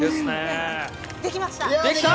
できました！